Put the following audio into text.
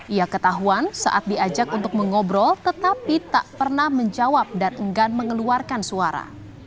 ia ketahuan saat diajak untuk mengobrol tetapi tak pernah menjawab dan enggan mengeluarkan suara